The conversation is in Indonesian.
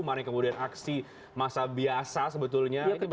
mana yang kemudian aksi masa biasa sebetulnya